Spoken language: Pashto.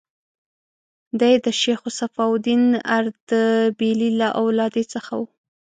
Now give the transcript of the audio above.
دی د شیخ صفي الدین اردبیلي له اولادې څخه و.